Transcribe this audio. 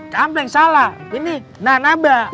campeng salah ini nana bak